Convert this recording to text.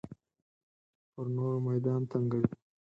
پر نورو میدان تنګوي.